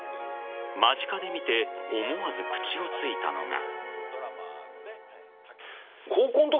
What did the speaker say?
間近で見て思わず口をついたのが。